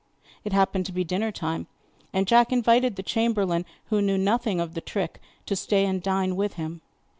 It happened to be dinner time, and Jack invited the chamberlain, who knew nothing of the trick, to stay and dine with him.